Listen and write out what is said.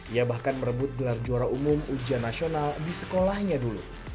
ia bahkan merebut gelar juara umum ujian nasional di sekolahnya dulu